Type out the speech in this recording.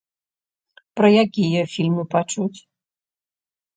Пра якія фільмы пачуць?